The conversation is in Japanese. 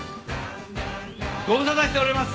ご無沙汰しております。